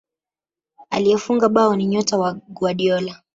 aliyefunga bao ni nyota wa guardiola